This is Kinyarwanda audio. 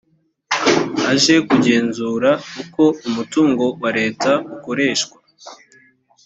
aje kugenzura uko umutungo wa leta ukoreshwa